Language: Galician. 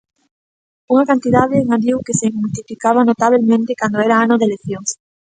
Unha cantidade, engadiu, que se multiplicaba notabelmente cando era ano de eleccións.